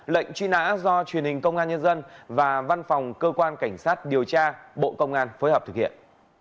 lệnh truy nã do truyền hình công an nhân dân và văn phòng cơ quan cảnh sát điều tra bộ công an phối hợp thực hiện